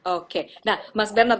oke nah mas bernad